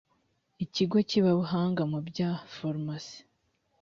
ikigo kibabuhanga mu bya farumasi